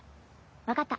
分かった。